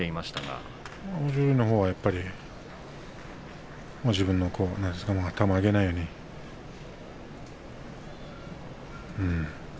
豊昇龍のほうが、やっぱり自分の頭を上げないようにうーん。